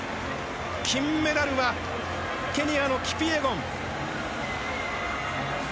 金メダルはケニアのキピエゴン。